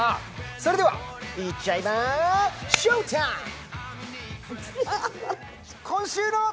それでは行っちゃいまＳＨＯＷＴＩＭＥ！